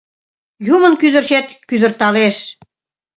Юмын кӱдырчет кӱдырталеш